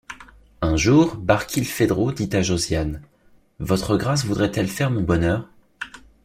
Un jour Barkilphedro dit à Josiane: — Votre Grâce voudrait-elle faire mon bonheur?